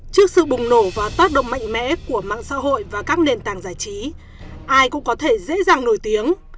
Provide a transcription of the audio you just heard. trước sự bùng nổ và tác động mạnh mẽ của mạng xã hội và các nền tảng giải trí ai cũng có thể dễ dàng nổi tiếng